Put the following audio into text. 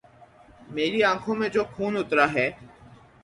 میری آنکھوں میں جو خون اترا ہے